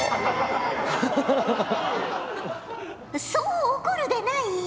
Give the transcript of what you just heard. そう怒るでない。